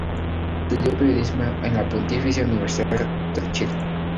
Estudió Periodismo en la Pontificia Universidad Católica de Chile.